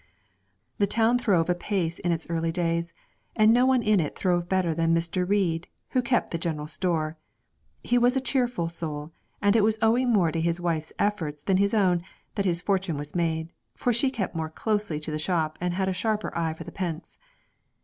The town throve apace in its early days, and no one in it throve better than Mr. Reid, who kept the general shop. He was a cheerful soul; and it was owing more to his wife's efforts than his own that his fortune was made, for she kept more closely to the shop and had a sharper eye for the pence.